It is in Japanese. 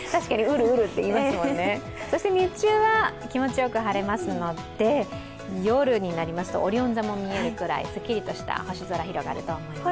日中は気持ちよく晴れますので、夜になりますとオリオン座も見えるくらいすっきりとした星空が広がると思います。